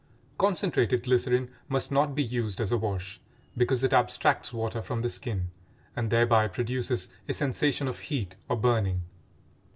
Concentrated glycerin must not be used as a wash, because it abstracts water from the skin and thereby produces a sensation of heat or burning.